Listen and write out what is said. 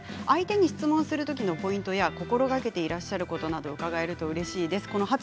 相手に質問をするときのポイントや心がけていらっしゃることなどありますか？ということです。